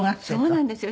そうなんですよ。